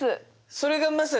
それがまさにね